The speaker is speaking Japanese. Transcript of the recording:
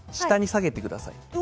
下に下げてください。